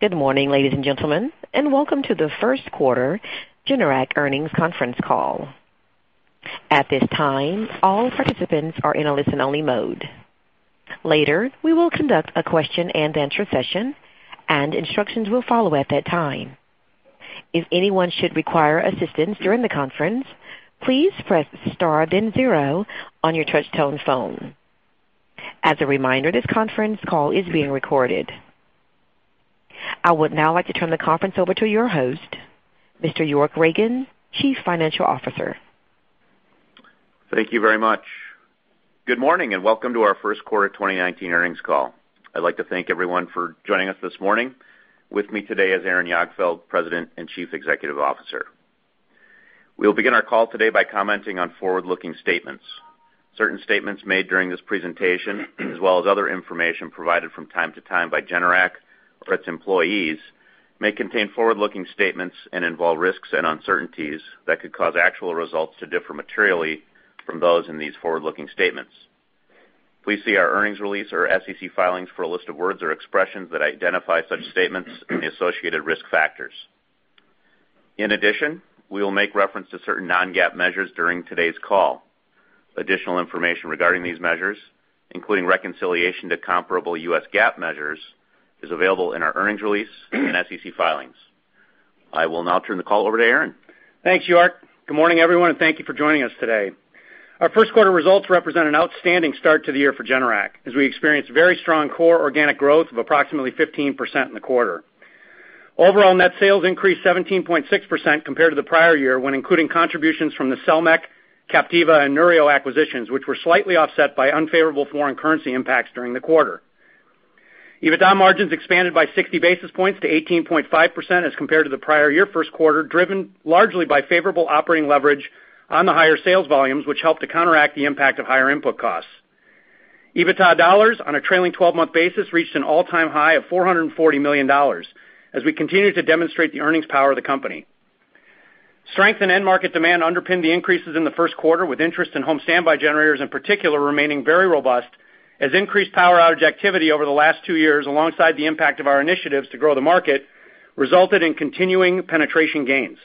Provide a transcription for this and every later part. Good morning, ladies and gentlemen, and welcome to the first quarter Generac earnings conference call. At this time, all participants are in a listen-only mode. Later, we will conduct a question-and-answer session, and instructions will follow at that time. If anyone should require assistance during the conference, please press star then zero on your touch-tone phone. As a reminder, this conference call is being recorded. I would now like to turn the conference over to your host, Mr. York Ragen, Chief Financial Officer. Thank you very much. Good morning, and welcome to our first quarter 2019 earnings call. I'd like to thank everyone for joining us this morning. With me today is Aaron Jagdfeld, President and Chief Executive Officer. We will begin our call today by commenting on forward-looking statements. Certain statements made during this presentation, as well as other information provided from time to time by Generac or its employees, may contain forward-looking statements and involve risks and uncertainties that could cause actual results to differ materially from those in these forward-looking statements. Please see our earnings release or SEC filings for a list of words or expressions that identify such statements and the associated risk factors. In addition, we will make reference to certain non-GAAP measures during today's call. Additional information regarding these measures, including reconciliation to comparable U.S. GAAP measures, is available in our earnings release and SEC filings. I will now turn the call over to Aaron. Thanks, York. Good morning, everyone, and thank you for joining us today. Our first quarter results represent an outstanding start to the year for Generac, as we experienced very strong core organic growth of approximately 15% in the quarter. Overall net sales increased 17.6% compared to the prior year when including contributions from the Selmec, Captiva, and Neurio acquisitions, which were slightly offset by unfavorable foreign currency impacts during the quarter. EBITDA margins expanded by 60 basis points to 18.5% as compared to the prior year first quarter, driven largely by favorable operating leverage on the higher sales volumes, which helped to counteract the impact of higher input costs. EBITDA dollars on a trailing 12-month basis reached an all-time high of $440 million as we continue to demonstrate the earnings power of the company. Strength in end market demand underpinned the increases in the first quarter, with interest in home standby generators in particular remaining very robust as increased power outage activity over the last two years, alongside the impact of our initiatives to grow the market, resulted in continuing penetration gains.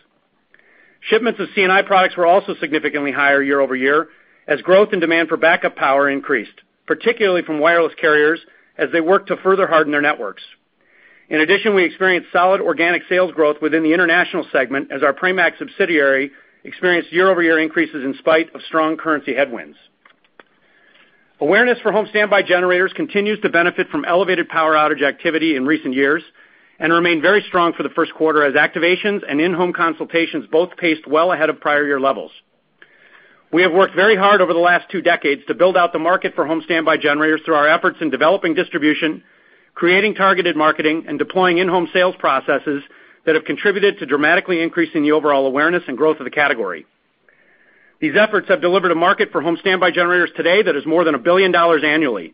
Shipments of C&I products were also significantly higher year-over-year as growth and demand for backup power increased, particularly from wireless carriers as they work to further harden their networks. In addition, we experienced solid organic sales growth within the international segment as our Pramac subsidiary experienced year-over-year increases in spite of strong currency headwinds. Awareness for home standby generators continues to benefit from elevated power outage activity in recent years and remained very strong for the first quarter as activations and in-home consultations both paced well ahead of prior year levels. We have worked very hard over the last two decades to build out the market for home standby generators through our efforts in developing distribution, creating targeted marketing, and deploying in-home sales processes that have contributed to dramatically increasing the overall awareness and growth of the category. These efforts have delivered a market for home standby generators today that is more than $1 billion annually.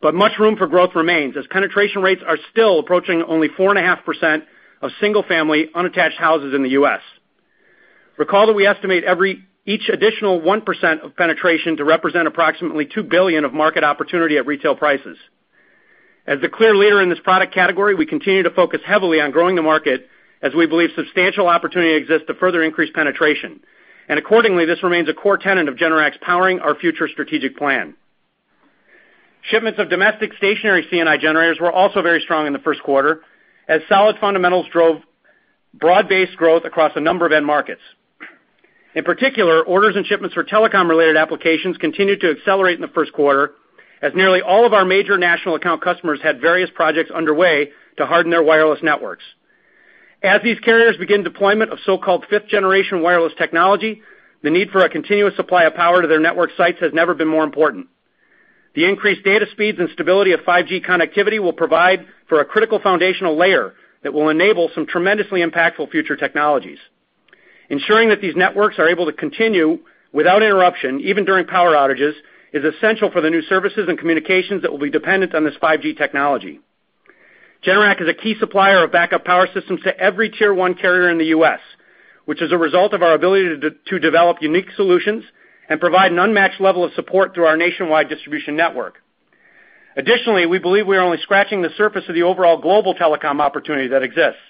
Much room for growth remains, as penetration rates are still approaching only 4.5% of single-family unattached houses in the U.S. Recall that we estimate each additional 1% of penetration to represent approximately $2 billion of market opportunity at retail prices. As the clear leader in this product category, we continue to focus heavily on growing the market as we believe substantial opportunity exists to further increase penetration. Accordingly, this remains a core tenet of Generac's Powering Our Future strategic plan. Shipments of domestic stationary C&I generators were also very strong in the first quarter, as solid fundamentals drove broad-based growth across a number of end markets. In particular, orders and shipments for telecom-related applications continued to accelerate in the first quarter, as nearly all of our major national account customers had various projects underway to harden their wireless networks. As these carriers begin deployment of so-called fifth-generation wireless technology, the need for a continuous supply of power to their network sites has never been more important. The increased data speeds and stability of 5G connectivity will provide for a critical foundational layer that will enable some tremendously impactful future technologies. Ensuring that these networks are able to continue without interruption, even during power outages, is essential for the new services and communications that will be dependent on this 5G technology. Generac is a key supplier of backup power systems to every tier 1 carrier in the U.S., which is a result of our ability to develop unique solutions and provide an unmatched level of support through our nationwide distribution network. Additionally, we believe we are only scratching the surface of the overall global telecom opportunity that exists.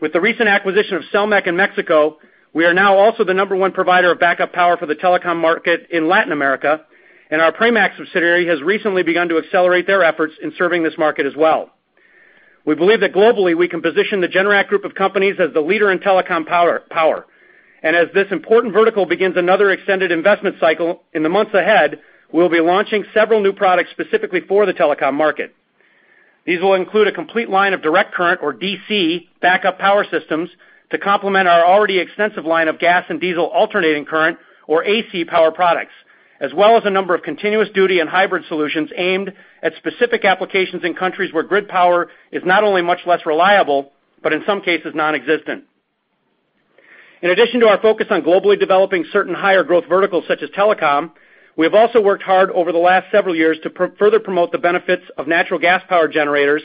With the recent acquisition of Selmec in Mexico, we are now also the number one provider of backup power for the telecom market in Latin America, and our Pramac subsidiary has recently begun to accelerate their efforts in serving this market as well. We believe that globally, we can position the Generac Group of companies as the leader in telecom power. As this important vertical begins another extended investment cycle, in the months ahead, we'll be launching several new products specifically for the telecom market. These will include a complete line of direct current, or DC, backup power systems to complement our already extensive line of gas and diesel alternating current, or AC, power products, as well as a number of continuous duty and hybrid solutions aimed at specific applications in countries where grid power is not only much less reliable, but in some cases non-existent. In addition to our focus on globally developing certain higher growth verticals such as telecom, we have also worked hard over the last several years to further promote the benefits of natural gas power generators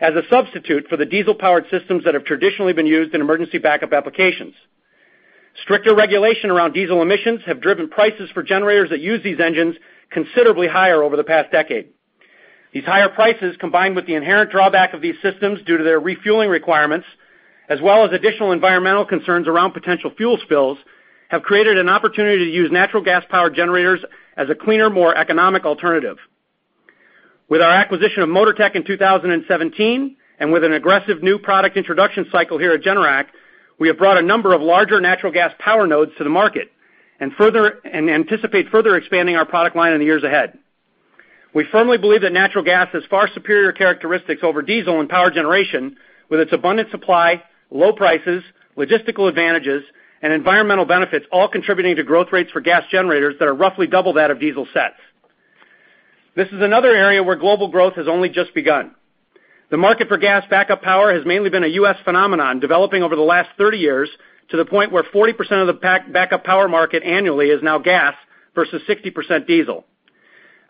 as a substitute for the diesel-powered systems that have traditionally been used in emergency backup applications. Stricter regulation around diesel emissions have driven prices for generators that use these engines considerably higher over the past decade. These higher prices, combined with the inherent drawback of these systems due to their refueling requirements, as well as additional environmental concerns around potential fuel spills, have created an opportunity to use natural gas powered generators as a cleaner, more economic alternative. With our acquisition of Motortech in 2017, and with an aggressive new product introduction cycle here at Generac, we have brought a number of larger natural gas power nodes to the market and anticipate further expanding our product line in the years ahead. We firmly believe that natural gas has far superior characteristics over diesel and power generation with its abundant supply, low prices, logistical advantages, and environmental benefits all contributing to growth rates for gas generators that are roughly double that of diesel sets. This is another area where global growth has only just begun. The market for gas backup power has mainly been a U.S. phenomenon, developing over the last 30 years to the point where 40% of the backup power market annually is now gas versus 60% diesel.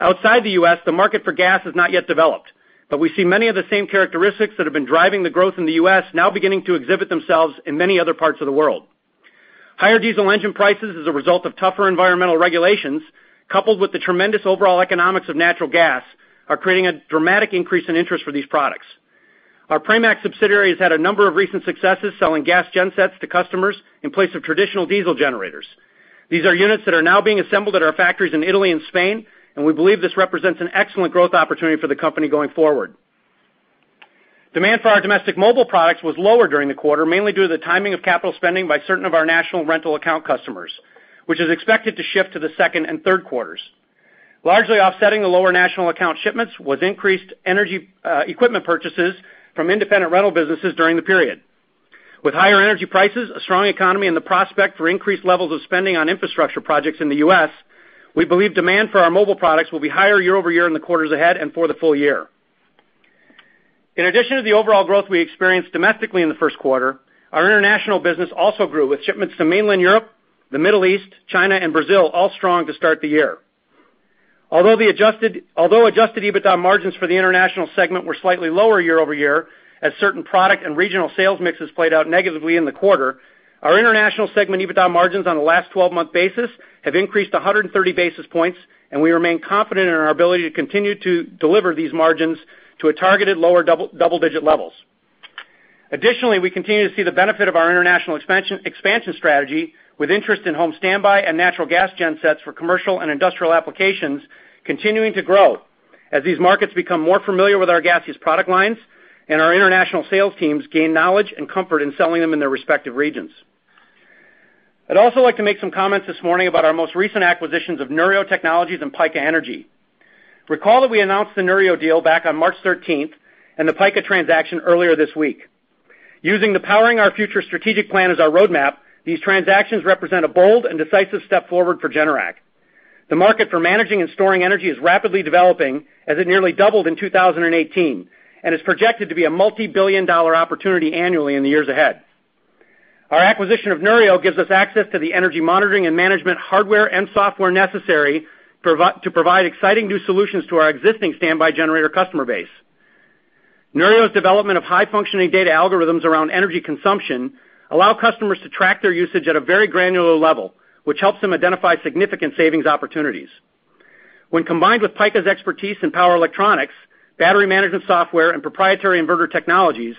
Outside the U.S., the market for gas has not yet developed, but we see many of the same characteristics that have been driving the growth in the U.S. now beginning to exhibit themselves in many other parts of the world. Higher diesel engine prices as a result of tougher environmental regulations, coupled with the tremendous overall economics of natural gas, are creating a dramatic increase in interest for these products. Our Pramac subsidiary has had a number of recent successes selling gas gen sets to customers in place of traditional diesel generators. These are units that are now being assembled at our factories in Italy and Spain. We believe this represents an excellent growth opportunity for the company going forward. Demand for our domestic mobile products was lower during the quarter, mainly due to the timing of capital spending by certain of our national rental account customers, which is expected to shift to the second and third quarters. Largely offsetting the lower national account shipments was increased energy equipment purchases from independent rental businesses during the period. With higher energy prices, a strong economy, and the prospect for increased levels of spending on infrastructure projects in the U.S., we believe demand for our mobile products will be higher year-over-year in the quarters ahead and for the full year. In addition to the overall growth we experienced domestically in the first quarter, our international business also grew with shipments to mainland Europe, the Middle East, China and Brazil, all strong to start the year. Although adjusted EBITDA margins for the international segment were slightly lower year-over-year as certain product and regional sales mixes played out negatively in the quarter, our international segment EBITDA margins on a last 12-month basis have increased 130 basis points, and we remain confident in our ability to continue to deliver these margins to a targeted lower double-digit levels. We continue to see the benefit of our international expansion strategy with interest in home standby and natural gas gen sets for commercial and industrial applications continuing to grow as these markets become more familiar with our gaseous product lines and our international sales teams gain knowledge and comfort in selling them in their respective regions. I'd also like to make some comments this morning about our most recent acquisitions of Neurio Technology and Pika Energy. Recall that we announced the Neurio deal back on March 13th and the Pika transaction earlier this week. Using the Powering Our Future strategic plan as our roadmap, these transactions represent a bold and decisive step forward for Generac. The market for managing and storing energy is rapidly developing as it nearly doubled in 2018 and is projected to be a multi-billion-dollar opportunity annually in the years ahead. Our acquisition of Neurio gives us access to the energy monitoring and management hardware and software necessary to provide exciting new solutions to our existing standby generator customer base. Neurio's development of high functioning data algorithms around energy consumption allow customers to track their usage at a very granular level, which helps them identify significant savings opportunities. When combined with Pika's expertise in power electronics, battery management software, and proprietary inverter technologies,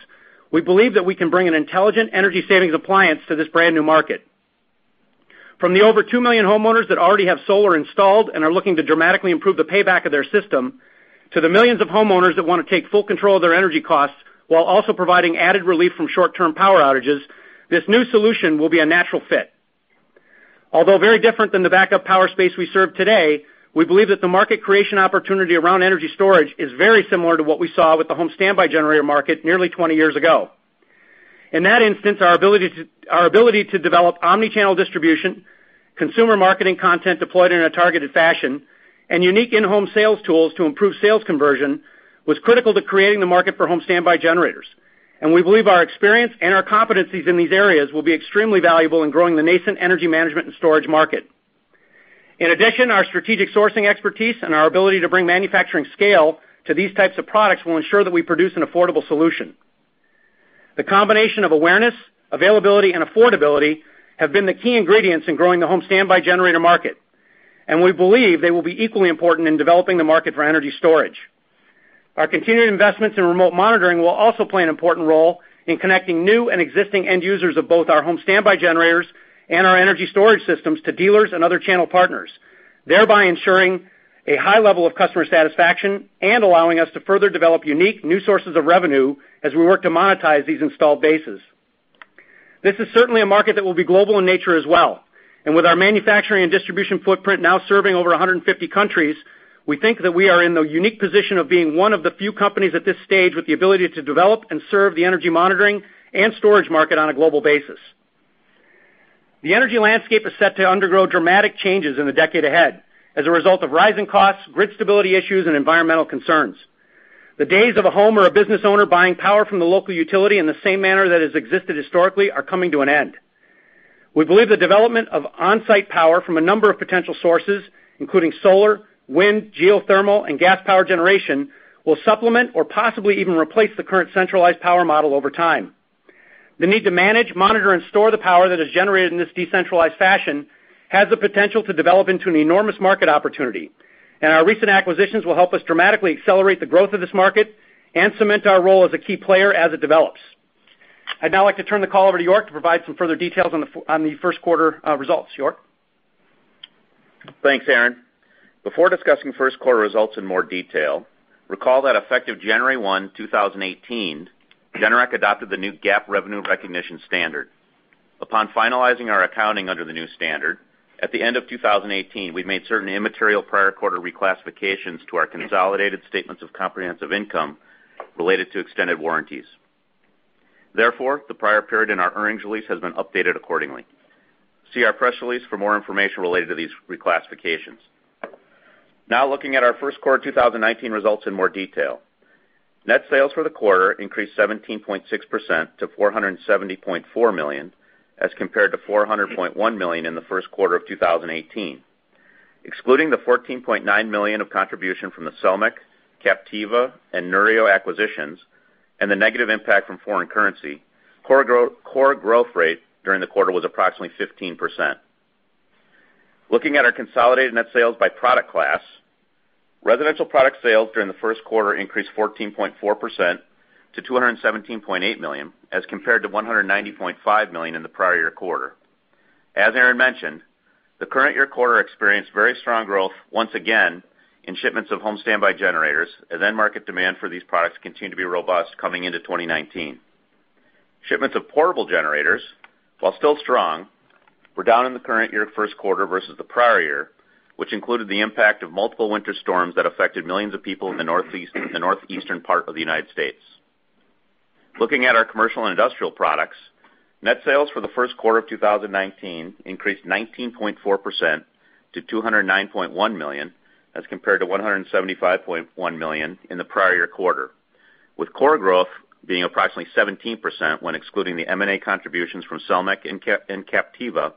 we believe that we can bring an intelligent energy savings appliance to this brand new market. From the over 2 million homeowners that already have solar installed and are looking to dramatically improve the payback of their system, to the millions of homeowners that want to take full control of their energy costs while also providing added relief from short-term power outages, this new solution will be a natural fit. Very different than the backup power space we serve today, we believe that the market creation opportunity around energy storage is very similar to what we saw with the home standby generator market nearly 20 years ago. In that instance, our ability to develop omni-channel distribution, consumer marketing content deployed in a targeted fashion, and unique in-home sales tools to improve sales conversion was critical to creating the market for home standby generators. We believe our experience and our competencies in these areas will be extremely valuable in growing the nascent energy management and storage market. In addition, our strategic sourcing expertise and our ability to bring manufacturing scale to these types of products will ensure that we produce an affordable solution. The combination of awareness, availability, and affordability have been the key ingredients in growing the home standby generator market, and we believe they will be equally important in developing the market for energy storage. Our continued investments in remote monitoring will also play an important role in connecting new and existing end users of both our home standby generators and our energy storage systems to dealers and other channel partners, thereby ensuring a high level of customer satisfaction and allowing us to further develop unique new sources of revenue as we work to monetize these installed bases. This is certainly a market that will be global in nature as well. With our manufacturing and distribution footprint now serving over 150 countries, we think that we are in the unique position of being one of the few companies at this stage with the ability to develop and serve the energy monitoring and storage market on a global basis. The energy landscape is set to undergo dramatic changes in the decade ahead as a result of rising costs, grid stability issues, and environmental concerns. The days of a home or a business owner buying power from the local utility in the same manner that has existed historically are coming to an end. We believe the development of onsite power from a number of potential sources, including solar, wind, geothermal, and gas power generation, will supplement or possibly even replace the current centralized power model over time. The need to manage, monitor, and store the power that is generated in this decentralized fashion has the potential to develop into an enormous market opportunity. Our recent acquisitions will help us dramatically accelerate the growth of this market and cement our role as a key player as it develops. I'd now like to turn the call over to York to provide some further details on the first quarter results. York? Thanks, Aaron. Before discussing first quarter results in more detail, recall that effective January one, 2018, Generac adopted the new GAAP revenue recognition standard. Upon finalizing our accounting under the new standard, at the end of 2018, we've made certain immaterial prior quarter reclassifications to our consolidated statements of comprehensive income related to extended warranties. Therefore, the prior period in our earnings release has been updated accordingly. See our press release for more information related to these reclassifications. Now, looking at our first quarter 2019 results in more detail. Net sales for the quarter increased 17.6% to $470.4 million, as compared to $400.1 million in the first quarter of 2018. Excluding the $14.9 million of contribution from the Selmec, Captiva, and Neurio acquisitions and the negative impact from foreign currency, core growth rate during the quarter was approximately 15%. Looking at our consolidated net sales by product class, residential product sales during the first quarter increased 14.4% to $217.8 million, as compared to $190.5 million in the prior year quarter. As Aaron mentioned, the current year quarter experienced very strong growth once again in shipments of home standby generators, and end market demand for these products continue to be robust coming into 2019. Shipments of portable generators, while still strong, were down in the current year first quarter versus the prior year, which included the impact of multiple winter storms that affected millions of people in the northeastern part of the United States. Looking at our commercial and industrial products, net sales for the first quarter of 2019 increased 19.4% to $209.1 million, as compared to $175.1 million in the prior year quarter, with core growth being approximately 17% when excluding the M&A contributions from Selmec and Captiva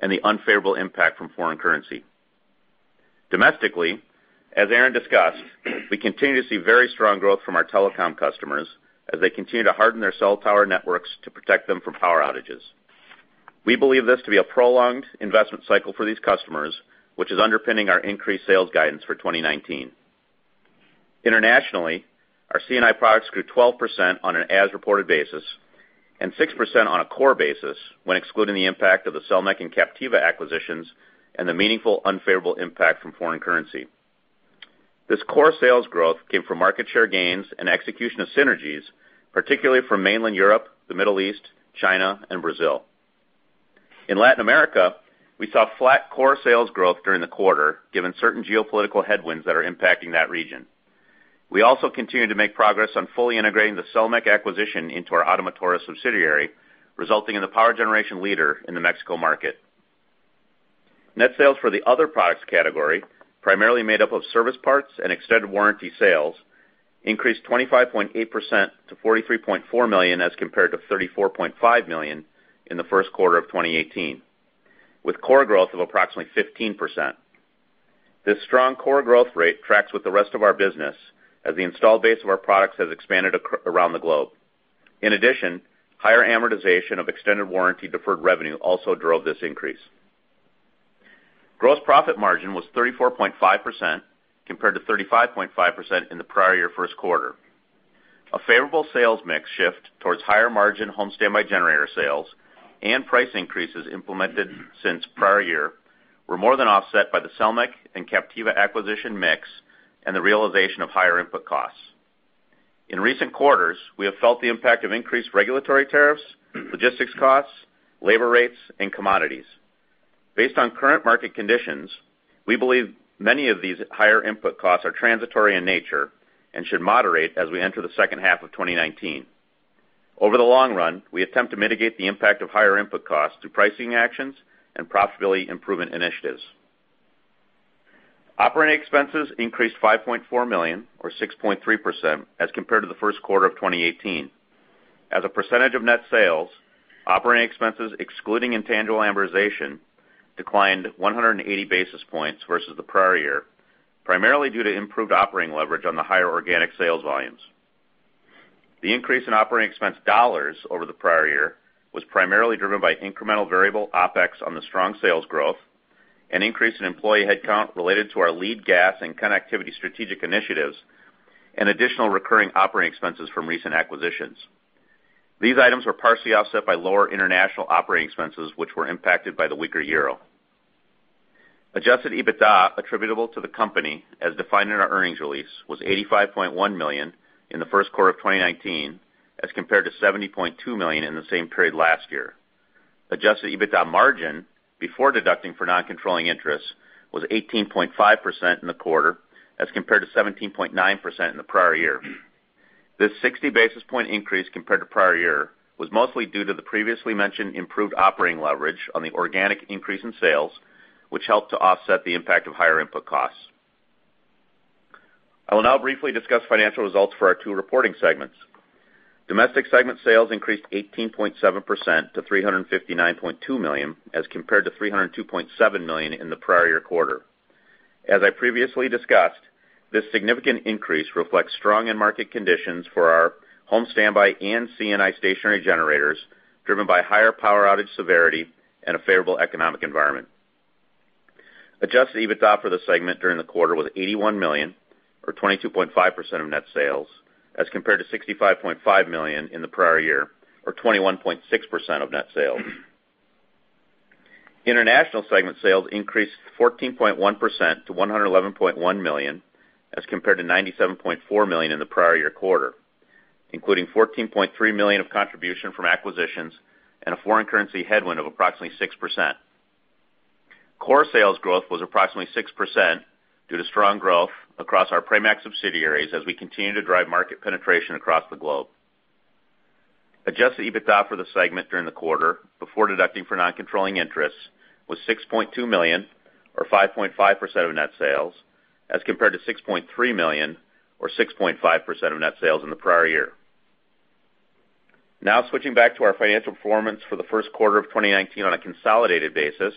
and the unfavorable impact from foreign currency. Domestically, as Aaron discussed, we continue to see very strong growth from our telecom customers as they continue to harden their cell tower networks to protect them from power outages. We believe this to be a prolonged investment cycle for these customers, which is underpinning our increased sales guidance for 2019. Internationally, our C&I products grew 12% on an as-reported basis and 6% on a core basis when excluding the impact of the Selmec and Captiva acquisitions and the meaningful unfavorable impact from foreign currency. This core sales growth came from market share gains and execution of synergies, particularly from mainland Europe, the Middle East, China, and Brazil. In Latin America, we saw flat core sales growth during the quarter, given certain geopolitical headwinds that are impacting that region. We also continue to make progress on fully integrating the Selmec acquisition into our Ottomotores subsidiary, resulting in the power generation leader in the Mexico market. Net sales for the other products category, primarily made up of service parts and extended warranty sales, increased 25.8% to $43.4 million as compared to $34.5 million in the first quarter of 2018, with core growth of approximately 15%. This strong core growth rate tracks with the rest of our business as the installed base of our products has expanded around the globe. In addition, higher amortization of extended warranty deferred revenue also drove this increase. Gross profit margin was 34.5%, compared to 35.5% in the prior year first quarter. A favorable sales mix shift towards higher margin home standby generator sales and price increases implemented since prior year were more than offset by the Selmec and Captiva acquisition mix and the realization of higher input costs. In recent quarters, we have felt the impact of increased regulatory tariffs, logistics costs, labor rates, and commodities. Based on current market conditions, we believe many of these higher input costs are transitory in nature and should moderate as we enter the second half of 2019. Over the long run, we attempt to mitigate the impact of higher input costs through pricing actions and profitability improvement initiatives. Operating expenses increased $5.4 million or 6.3% as compared to the first quarter of 2018. As a percentage of net sales, operating expenses excluding intangible amortization declined 180 basis points versus the prior year, primarily due to improved operating leverage on the higher organic sales volumes. The increase in operating expense dollars over the prior year was primarily driven by incremental variable OpEx on the strong sales growth, an increase in employee headcount related to our lead gen and connectivity strategic initiatives, and additional recurring operating expenses from recent acquisitions. These items were partially offset by lower international operating expenses, which were impacted by the weaker euro. Adjusted EBITDA attributable to the company, as defined in our earnings release, was $85.1 million in the first quarter of 2019 as compared to $70.2 million in the same period last year. Adjusted EBITDA margin before deducting for non-controlling interests was 18.5% in the quarter as compared to 17.9% in the prior year. This 60 basis point increase compared to prior year was mostly due to the previously mentioned improved operating leverage on the organic increase in sales, which helped to offset the impact of higher input costs. I will now briefly discuss financial results for our two reporting segments. Domestic segment sales increased 18.7% to $359.2 million as compared to $302.7 million in the prior year quarter. As I previously discussed, this significant increase reflects strong end market conditions for our Home Standby and C&I stationary generators, driven by higher power outage severity and a favorable economic environment. Adjusted EBITDA for the segment during the quarter was $81 million, or 22.5% of net sales, as compared to $65.5 million in the prior year, or 21.6% of net sales. International segment sales increased 14.1% to $111.1 million, as compared to $97.4 million in the prior year quarter, including $14.3 million of contribution from acquisitions and a foreign currency headwind of approximately 6%. Core sales growth was approximately 6% due to strong growth across our Pramac subsidiaries, as we continue to drive market penetration across the globe. Adjusted EBITDA for the segment during the quarter, before deducting for non-controlling interests, was $6.2 million, or 5.5% of net sales, as compared to $6.3 million, or 6.5% of net sales in the prior year. Switching back to our financial performance for the first quarter of 2019 on a consolidated basis.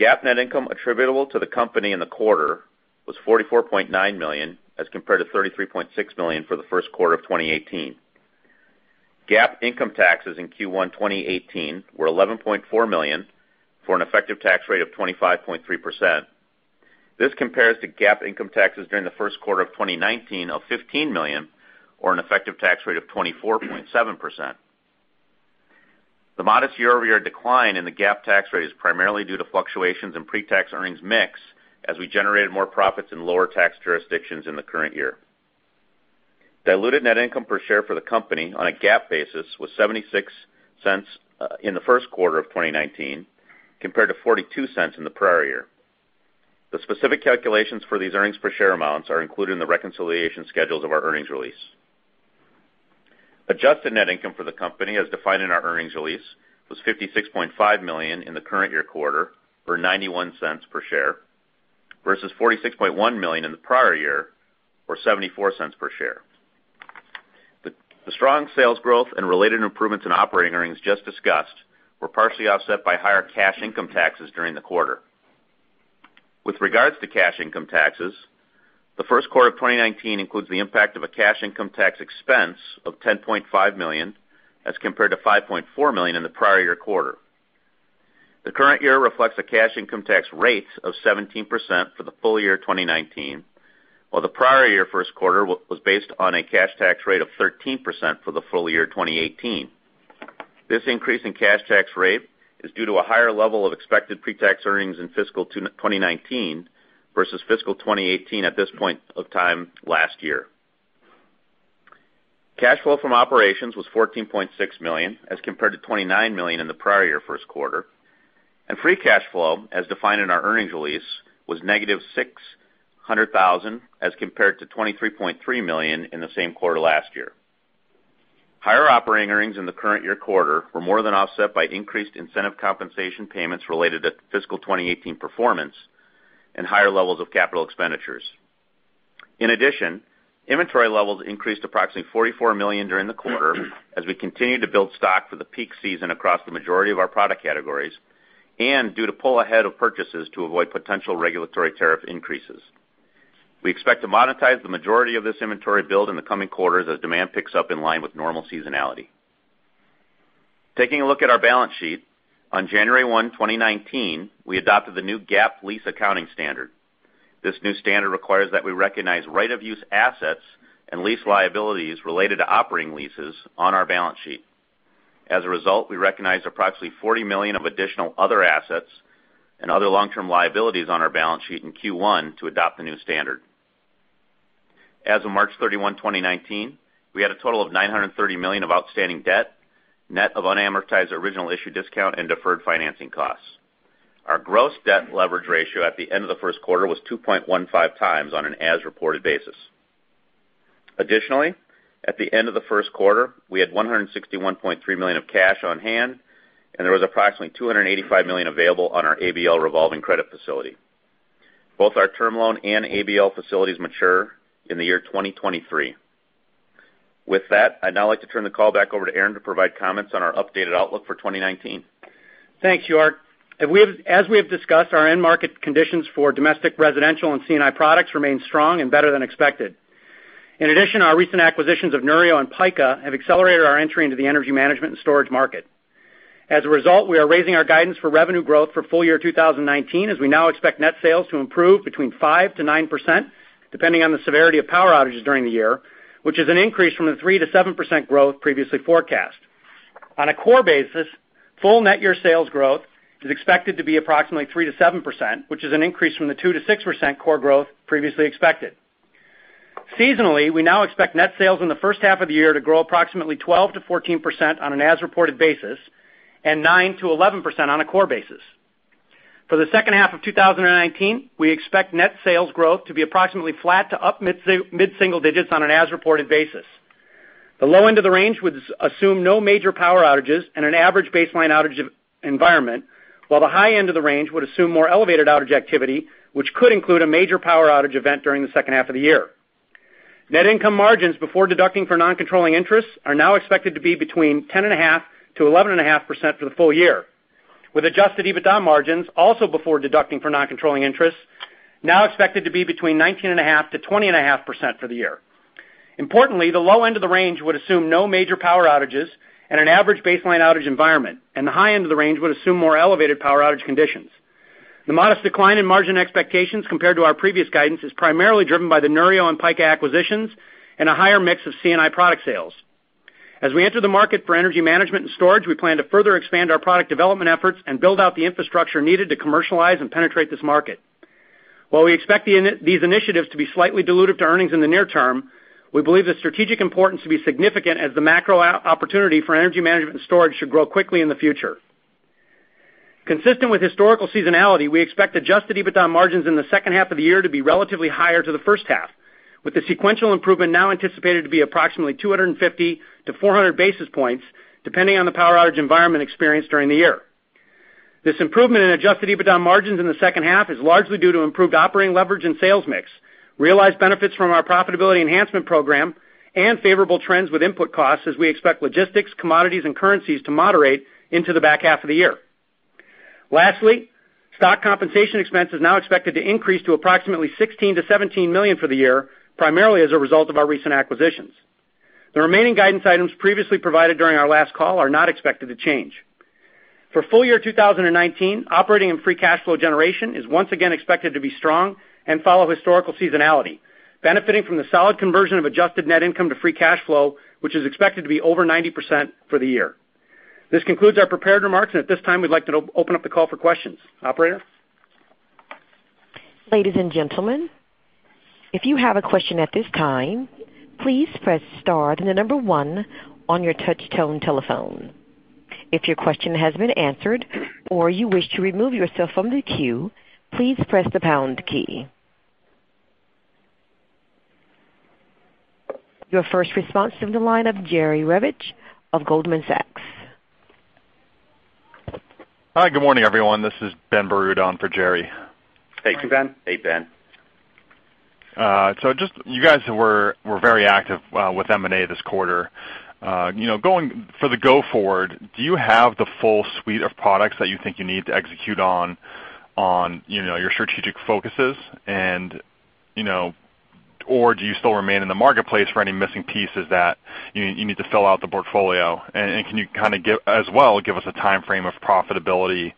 GAAP net income attributable to the company in the quarter was $44.9 million, as compared to $33.6 million for the first quarter of 2018. GAAP income taxes in Q1 2018 were $11.4 million for an effective tax rate of 25.3%. This compares to GAAP income taxes during the first quarter of 2019 of $15 million, or an effective tax rate of 24.7%. The modest year-over-year decline in the GAAP tax rate is primarily due to fluctuations in pre-tax earnings mix, as we generated more profits in lower tax jurisdictions in the current year. Diluted net income per share for the company on a GAAP basis was $0.76 in the first quarter of 2019, compared to $0.42 in the prior year. The specific calculations for these earnings per share amounts are included in the reconciliation schedules of our earnings release. Adjusted net income for the company, as defined in our earnings release, was $56.5 million in the current year quarter, or $0.91 per share, versus $46.1 million in the prior year, or $0.74 per share. The strong sales growth and related improvements in operating earnings just discussed were partially offset by higher cash income taxes during the quarter. With regards to cash income taxes, the first quarter of 2019 includes the impact of a cash income tax expense of $10.5 million, as compared to $5.4 million in the prior year quarter. The current year reflects a cash income tax rate of 17% for the full year 2019, while the prior year first quarter was based on a cash tax rate of 13% for the full year 2018. This increase in cash tax rate is due to a higher level of expected pre-tax earnings in fiscal 2019 versus fiscal 2018 at this point of time last year. Cash flow from operations was $14.6 million, as compared to $29 million in the prior year first quarter. Free cash flow, as defined in our earnings release, was negative $600,000, as compared to $23.3 million in the same quarter last year. Higher operating earnings in the current year quarter were more than offset by increased incentive compensation payments related to fiscal 2018 performance and higher levels of capital expenditures. In addition, inventory levels increased approximately $44 million during the quarter as we continue to build stock for the peak season across the majority of our product categories and due to pull ahead of purchases to avoid potential regulatory tariff increases. We expect to monetize the majority of this inventory build in the coming quarters as demand picks up in line with normal seasonality. Taking a look at our balance sheet, on January 1, 2019, we adopted the new GAAP lease accounting standard. This new standard requires that we recognize right-of-use assets and lease liabilities related to operating leases on our balance sheet. As a result, we recognized approximately $40 million of additional other assets and other long-term liabilities on our balance sheet in Q1 to adopt the new standard. As of March 31, 2019, we had a total of $930 million of outstanding debt, net of unamortized original issue discount and deferred financing costs. Our gross debt leverage ratio at the end of the first quarter was 2.15 times on an as-reported basis. Additionally, at the end of the first quarter, we had $161.3 million of cash on hand, and there was approximately $285 million available on our ABL revolving credit facility. Both our term loan and ABL facilities mature in the year 2023. With that, I'd now like to turn the call back over to Aaron to provide comments on our updated outlook for 2019. Thanks, York. As we have discussed, our end market conditions for domestic, residential, and C&I products remain strong and better than expected. In addition, our recent acquisitions of Neurio and Pika have accelerated our entry into the energy management and storage market. As a result, we are raising our guidance for revenue growth for full year 2019 as we now expect net sales to improve between 5%-9%, depending on the severity of power outages during the year, which is an increase from the 3%-7% growth previously forecast. On a core basis, full net year sales growth is expected to be approximately 3%-7%, which is an increase from the 2%-6% core growth previously expected. Seasonally, we now expect net sales in the first half of the year to grow approximately 12%-14% on an as-reported basis and 9%-11% on a core basis. For the second half of 2019, we expect net sales growth to be approximately flat to up mid-single digits on an as-reported basis. The low end of the range would assume no major power outages and an average baseline outage environment, while the high end of the range would assume more elevated outage activity, which could include a major power outage event during the second half of the year. Net income margins before deducting for non-controlling interests are now expected to be between 10.5%-11.5% for the full year, with adjusted EBITDA margins, also before deducting for non-controlling interests, now expected to be between 19.5%-20.5% for the year. Importantly, the low end of the range would assume no major power outages and an average baseline outage environment, and the high end of the range would assume more elevated power outage conditions. The modest decline in margin expectations compared to our previous guidance is primarily driven by the Neurio and Pika acquisitions and a higher mix of C&I product sales. As we enter the market for energy management and storage, we plan to further expand our product development efforts and build out the infrastructure needed to commercialize and penetrate this market. While we expect these initiatives to be slightly dilutive to earnings in the near term, we believe the strategic importance to be significant as the macro opportunity for energy management and storage should grow quickly in the future. Consistent with historical seasonality, we expect adjusted EBITDA margins in the second half of the year to be relatively higher to the first half, with the sequential improvement now anticipated to be approximately 250-400 basis points, depending on the power outage environment experienced during the year. This improvement in adjusted EBITDA margins in the second half is largely due to improved operating leverage and sales mix, realized benefits from our profitability enhancement program, and favorable trends with input costs as we expect logistics, commodities, and currencies to moderate into the back half of the year. Lastly, stock compensation expense is now expected to increase to approximately $16 million-$17 million for the year, primarily as a result of our recent acquisitions. The remaining guidance items previously provided during our last call are not expected to change. For full year 2019, operating and free cash flow generation is once again expected to be strong and follow historical seasonality, benefiting from the solid conversion of adjusted net income to free cash flow, which is expected to be over 90% for the year. This concludes our prepared remarks. At this time, we'd like to open up the call for questions. Operator? Ladies and gentlemen, if you have a question at this time, please press star, then the number one on your touch tone telephone. If your question has been answered or you wish to remove yourself from the queue, please press the pound key. Your first response from the line of Jerry Revich of Goldman Sachs. Hi, good morning, everyone. This is Ben Burud on for Jerry. Thank you, Ben. Hey, Ben. You guys were very active with M&A this quarter. For the go forward, do you have the full suite of products that you think you need to execute on your strategic focuses, or do you still remain in the marketplace for any missing pieces that you need to fill out the portfolio? Can you, as well, give us a timeframe of profitability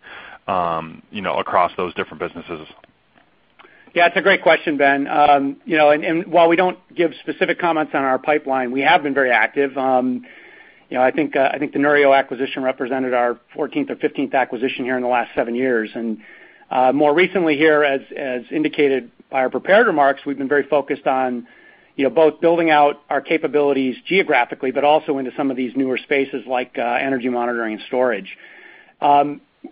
across those different businesses? It's a great question, Ben. While we don't give specific comments on our pipeline, we have been very active. I think the Neurio acquisition represented our 14th or 15th acquisition here in the last seven years. More recently here, as indicated by our prepared remarks, we've been very focused on both building out our capabilities geographically, but also into some of these newer spaces like energy monitoring and storage.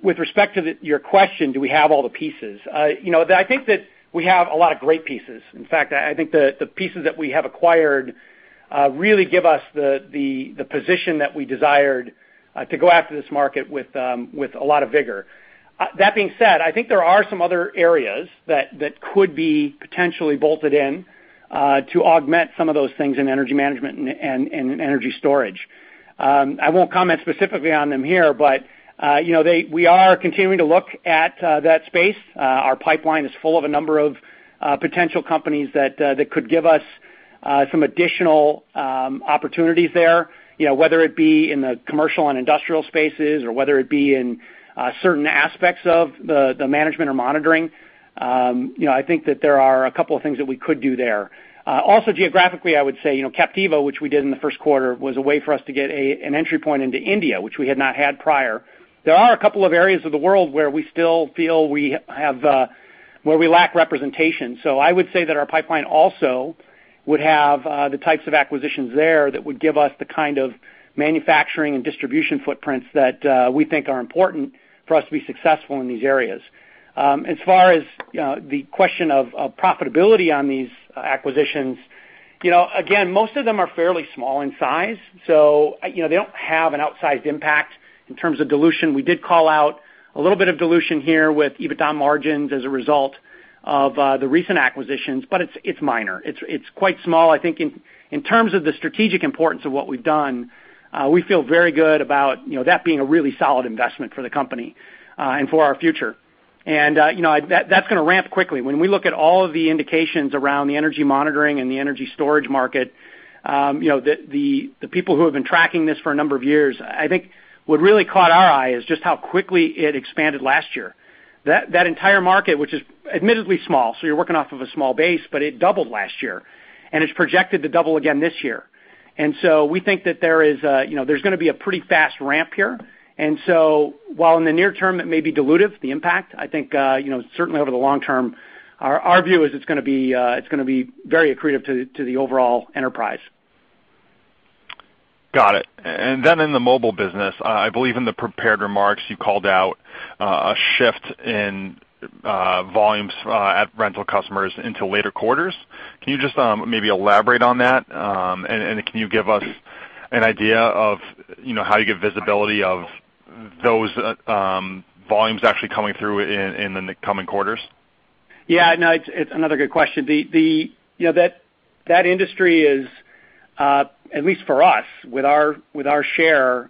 With respect to your question, do we have all the pieces? I think that we have a lot of great pieces. In fact, I think the pieces that we have acquired really give us the position that we desired to go after this market with a lot of vigor. That being said, I think there are some other areas that could be potentially bolted in to augment some of those things in energy management and in energy storage. I won't comment specifically on them here, but we are continuing to look at that space. Our pipeline is full of a number of potential companies that could give us some additional opportunities there, whether it be in the commercial and industrial spaces or whether it be in certain aspects of the management or monitoring. I think that there are a couple of things that we could do there. Geographically, I would say, Captiva, which we did in the first quarter, was a way for us to get an entry point into India, which we had not had prior. There are a couple of areas of the world where we still feel we lack representation. I would say that our pipeline also would have the types of acquisitions there that would give us the kind of manufacturing and distribution footprints that we think are important for us to be successful in these areas. As far as the question of profitability on these acquisitions, again, most of them are fairly small in size, so they don't have an outsized impact in terms of dilution. We did call out a little bit of dilution here with EBITDA margins as a result of the recent acquisitions, but it's minor. It's quite small. I think in terms of the strategic importance of what we've done, we feel very good about that being a really solid investment for the company and for our future. That's going to ramp quickly. When we look at all of the indications around the energy monitoring and the energy storage market, the people who have been tracking this for a number of years, I think what really caught our eye is just how quickly it expanded last year. That entire market, which is admittedly small, so you're working off of a small base, but it doubled last year, and it's projected to double again this year. We think that there's going to be a pretty fast ramp here. While in the near term it may be dilutive, the impact, I think, certainly over the long term, our view is it's going to be very accretive to the overall enterprise. Got it. In the mobile business, I believe in the prepared remarks, you called out a shift in volumes at rental customers into later quarters. Can you just maybe elaborate on that? Can you give us an idea of how you get visibility of those volumes actually coming through in the coming quarters? It's another good question. That industry is, at least for us, with our share,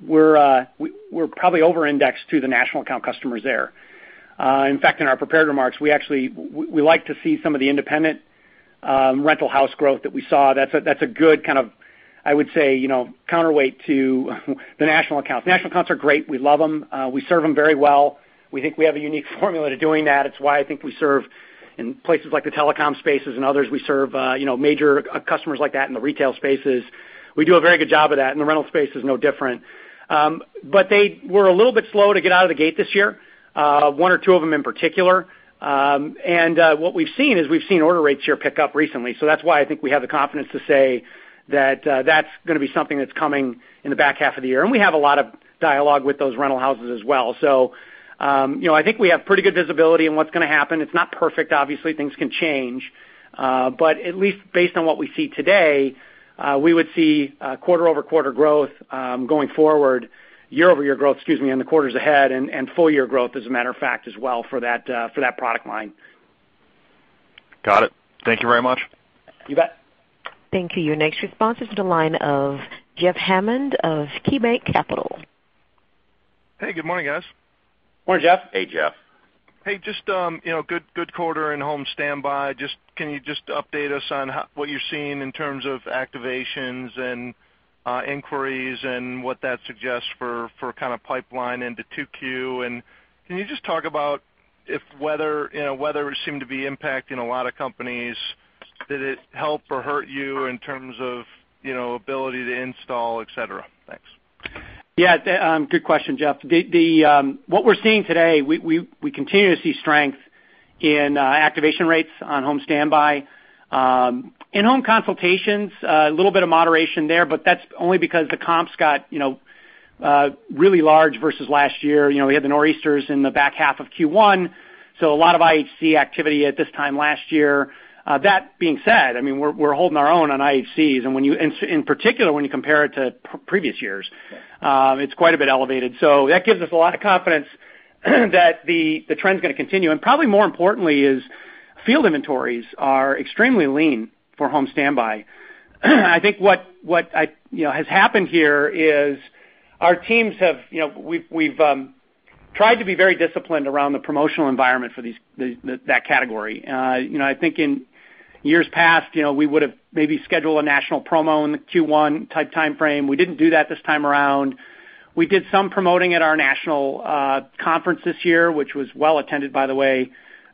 we're probably over-indexed to the national account customers there. In fact, in our prepared remarks, we like to see some of the independent rental house growth that we saw. That's a good kind of, I would say, counterweight to the national accounts. National accounts are great. We love them. We serve them very well. We think we have a unique formula to doing that. It's why I think we serve in places like the telecom spaces and others. We serve major customers like that in the retail spaces. We do a very good job of that, and the rental space is no different. They were a little bit slow to get out of the gate this year, one or two of them in particular. What we've seen is we've seen order rates here pick up recently. That's why I think we have the confidence to say that that's going to be something that's coming in the back half of the year. We have a lot of dialogue with those rental houses as well. I think we have pretty good visibility in what's going to happen. It's not perfect, obviously, things can change. At least based on what we see today, we would see quarter-over-quarter growth, going forward, year-over-year growth, excuse me, in the quarters ahead and full year growth, as a matter of fact, as well for that product line. Got it. Thank you very much. You bet. Thank you. Your next response is the line of Jeff Hammond of KeyBanc Capital. Hey, good morning, guys. Morning, Jeff. Hey, Jeff. Hey, just good quarter in home standby. Can you just update us on what you're seeing in terms of activations and inquiries and what that suggests for kind of pipeline into Q2? Can you just talk about if weather seemed to be impacting a lot of companies, did it help or hurt you in terms of ability to install, et cetera? Thanks. Yeah. Good question, Jeff. What we're seeing today, we continue to see strength in activation rates on home standby. In home consultations, a little bit of moderation there, but that's only because the comps got really large versus last year. We had the Nor'easters in the back half of Q1, so a lot of IHC activity at this time last year. That being said, we're holding our own on IHCs, and in particular, when you compare it to previous years it's quite a bit elevated. That gives us a lot of confidence that the trend's going to continue, and probably more importantly is field inventories are extremely lean for home standby. I think what has happened here is We've tried to be very disciplined around the promotional environment for that category. In years past, we would've maybe scheduled a national promo in the Q1 type timeframe. We didn't do that this time around. We did some promoting at our national conference this year, which was well attended, by the way,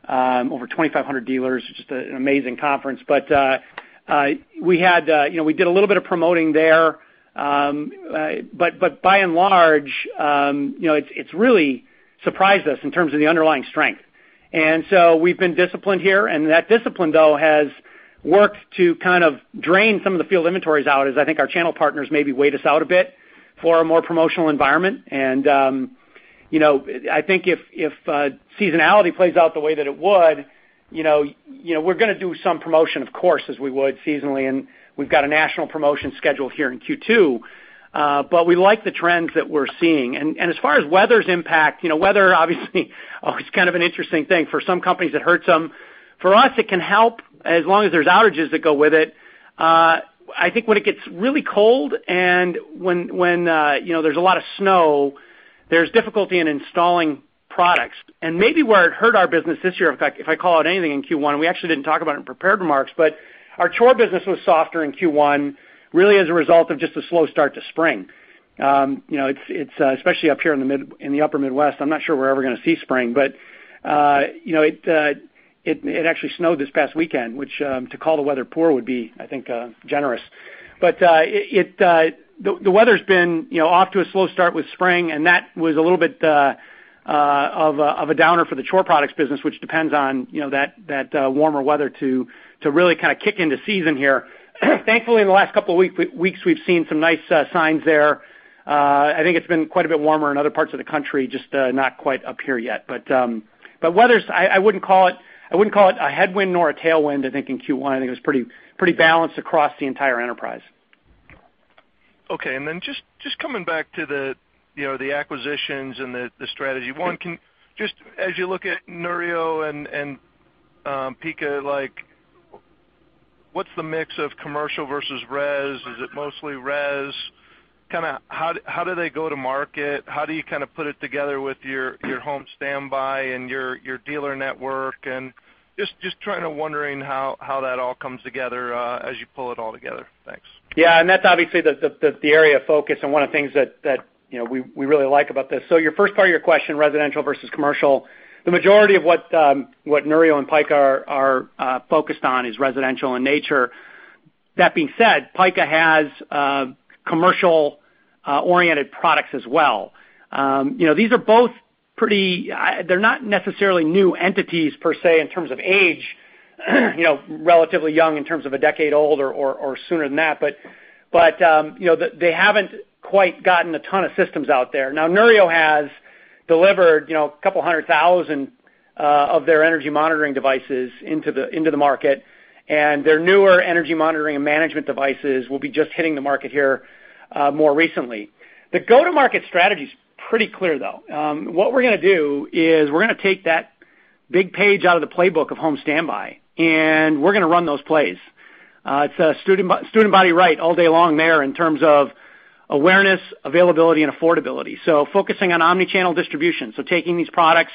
over 2,500 dealers. It's just an amazing conference. We did a little bit of promoting there. By and large it's really surprised us in terms of the underlying strength. We've been disciplined here, and that discipline, though, has worked to kind of drain some of the field inventories out as I think our channel partners maybe wait us out a bit for a more promotional environment. I think if seasonality plays out the way that it would, we're going to do some promotion, of course, as we would seasonally, and we've got a national promotion scheduled here in Q2. We like the trends that we're seeing. As far as weather's impact, weather obviously is kind of an interesting thing. For some companies, it hurts them. For us, it can help as long as there's outages that go with it. When it gets really cold and when there's a lot of snow, there's difficulty in installing products. Maybe where it hurt our business this year, in fact, if I call out anything in Q1, we actually didn't talk about it in prepared remarks, our chore business was softer in Q1, really as a result of just a slow start to spring. Especially up here in the upper Midwest, I'm not sure we're ever going to see spring, it actually snowed this past weekend, which to call the weather poor would be, I think, generous. The weather's been off to a slow start with spring, and that was a little bit of a downer for the chore products business, which depends on that warmer weather to really kind of kick into season here. Thankfully, in the last couple of weeks, we've seen some nice signs there. It's been quite a bit warmer in other parts of the country, just not quite up here yet. Weather's, I wouldn't call it a headwind nor a tailwind, I think, in Q1. It was pretty balanced across the entire enterprise. Okay. Just coming back to the acquisitions and the strategy. One, as you look at Neurio and Pika, what's the mix of commercial versus res? Is it mostly res? How do they go to market? How do you kind of put it together with your home standby and your dealer network? Just trying to wondering how that all comes together as you pull it all together. Thanks. That's obviously the area of focus and one of the things that we really like about this. Your first part of your question, residential versus commercial, the majority of what Neurio and Pika are focused on is residential in nature. That being said, Pika has commercial-oriented products as well. These are both pretty. They're not necessarily new entities per se, in terms of age, relatively young in terms of a decade old or sooner than that. They haven't quite gotten a ton of systems out there. Neurio has delivered a couple 100,000 of their energy monitoring devices into the market, and their newer energy monitoring and management devices will be just hitting the market here more recently. The go-to-market strategy is pretty clear, though. What we're going to do is we're going to take that big page out of the playbook of Home Standby, and we're going to run those plays. It's student body right all day long there in terms of awareness, availability, and affordability. Focusing on omni-channel distribution, taking these products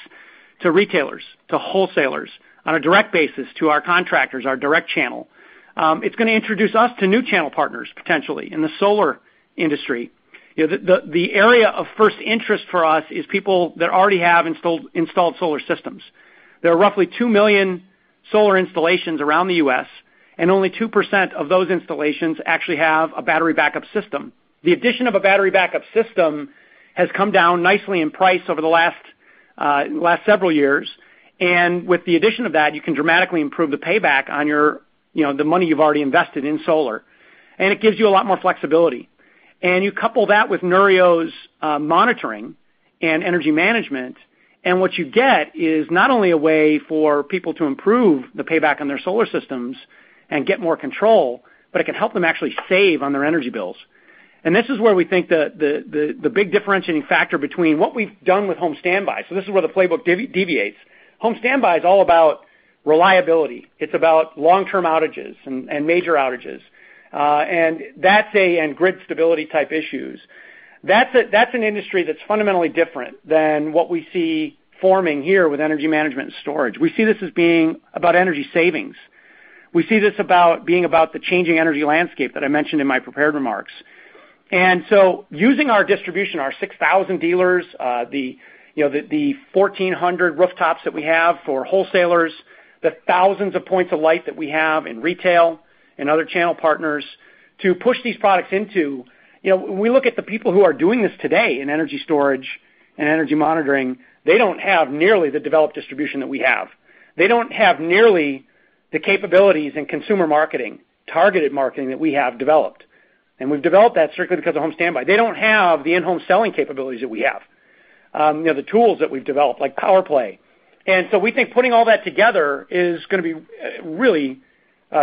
to retailers, to wholesalers on a direct basis to our contractors, our direct channel. It's going to introduce us to new channel partners, potentially, in the solar industry. The area of first interest for us is people that already have installed solar systems. There are roughly 2 million solar installations around the U.S., and only 2% of those installations actually have a battery backup system. The addition of a battery backup system has come down nicely in price over the last several years. With the addition of that, you can dramatically improve the payback on the money you've already invested in solar. It gives you a lot more flexibility. You couple that with Neurio's monitoring and energy management, what you get is not only a way for people to improve the payback on their solar systems and get more control, but it can help them actually save on their energy bills. This is where we think the big differentiating factor between what we've done with Home Standby, this is where the playbook deviates. Home Standby is all about reliability. It's about long-term outages and major outages, and grid stability type issues. That's an industry that's fundamentally different than what we see forming here with energy management and storage. We see this as being about energy savings. We see this being about the changing energy landscape that I mentioned in my prepared remarks. Using our distribution, our 6,000 dealers, the 1,400 rooftops that we have for wholesalers, the thousands of points of light that we have in retail and other channel partners to push these products into. We look at the people who are doing this today in energy storage and energy monitoring, they don't have nearly the developed distribution that we have. They don't have nearly the capabilities in consumer marketing, targeted marketing that we have developed, and we've developed that strictly because of Home Standby. They don't have the in-home selling capabilities that we have. The tools that we've developed, like PowerPlay. We think putting all that together is going to be really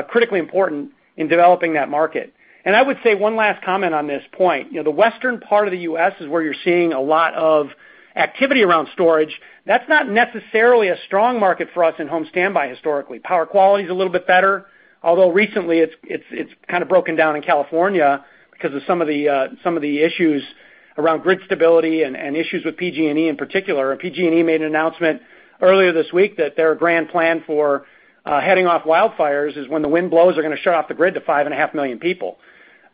critically important in developing that market. I would say one last comment on this point. The western part of the U.S. is where you're seeing a lot of activity around storage. That's not necessarily a strong market for us in home standby historically. Power quality's a little bit better, although recently it's kind of broken down in California because of some of the issues around grid stability and issues with PG&E in particular. PG&E made an announcement earlier this week that their grand plan for heading off wildfires is when the wind blows, they're going to shut off the grid to 5.5 million people,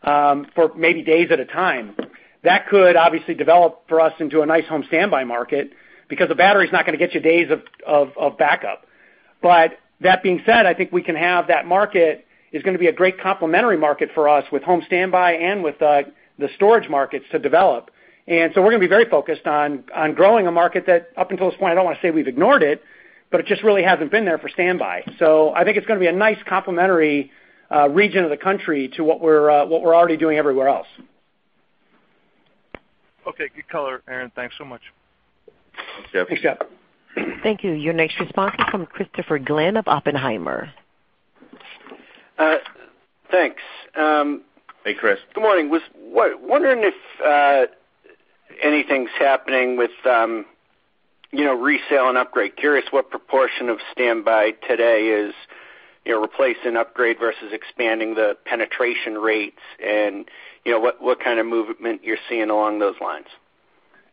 for maybe days at a time. That could obviously develop for us into a nice home standby market because the battery's not going to get you days of backup. That being said, I think we can have that market is going to be a great complementary market for us with home standby and with the storage markets to develop. We're going to be very focused on growing a market that up until this point, I don't want to say we've ignored it, but it just really hasn't been there for standby. I think it's going to be a nice complementary region of the country to what we're already doing everywhere else. Okay. Good color, Aaron. Thanks so much. Thanks, Jeff. Thanks, Jeff. Thank you. Your next response will come Christopher Glynn of Oppenheimer. Thanks. Hey, Chris. Good morning. I was wondering if anything's happening with resale and upgrade. Curious what proportion of standby today is replacing upgrade versus expanding the penetration rates and what kind of movement you're seeing along those lines.